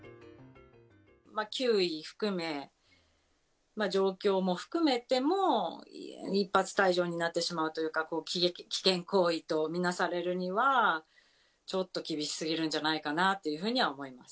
球威を含め、状況も含めても、一発退場になってしまうというか、危険行為と見なされるにはちょっと厳しすぎるんじゃないかなというふうには思います。